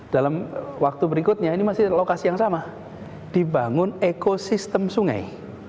dalam waktu berikutnya ini masih lokasi yang sama dibangun ekosistem sungai